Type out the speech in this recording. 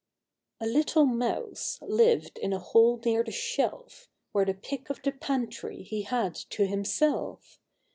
A LITTLE Mouse lived in a hole near the shelf, Where the pick of the pantry he had to himself.